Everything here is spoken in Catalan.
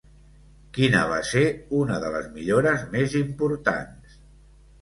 Quina va ser una de les millores més importants?